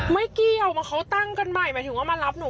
ไม่เกี่ยวเขาตั้งกันใหม่หมายถึงว่ามารับหนู